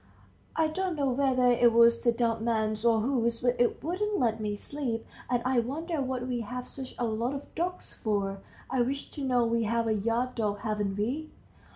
"I don't know whether it was the dumb man's or whose, but it wouldn't let me sleep. And I wonder what we have such a lot of dogs for! I wish to know. We have a yard dog, haven't we?"